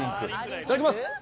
いただきます！